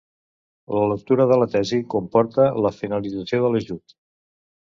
La lectura de la tesi comporta la finalització de l'ajut.